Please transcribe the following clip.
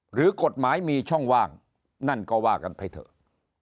หรือกฎหมายมีช่องว่างนั่นก็ว่ากันไปเถอะ